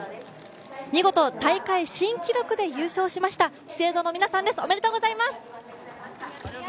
見事大会新記録で優勝しました資生堂の皆さんですおめでとうございます。